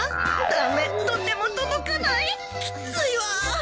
駄目とても届かない。きついわ。